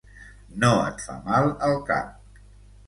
No et fa mal el cap.